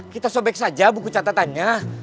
kita sobek saja buku catatannya